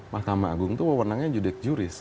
mahkamah agung itu mewenangnya judex juris